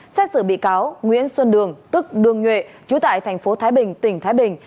xét xử bị cáo nguyễn xuân đường tức đường nghệ chú tại tp thái bình tỉnh thái bình